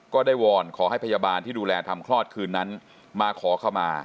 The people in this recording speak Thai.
วอนขอให้พยาบาลที่ดูแลทำคลอดคืนนั้นมาขอขมา